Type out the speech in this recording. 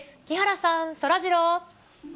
木原さん、そらジロー。